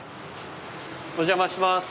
お邪魔します。